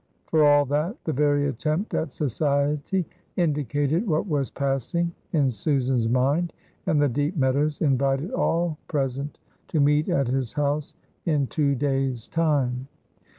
For all that the very attempt at society indicated what was passing in Susan's mind, and the deep Meadows invited all present to meet at his house in two days' time.